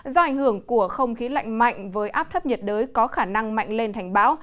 do ảnh hưởng của không khí lạnh mạnh với áp thấp nhiệt đới có khả năng mạnh lên thành bão